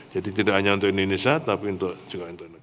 jadi tidak hanya untuk indonesia tapi juga untuk negara lain